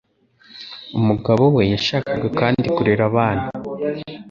Umugabo we yashakaga kandi kurera abana.